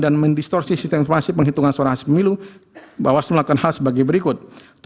dan mendistorsi sistem informasi penghitungan suara hasil pemilu bahwa semuanya akan hal sebagai berikut